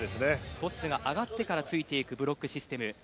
トスが上がってからついていくブロックシステム。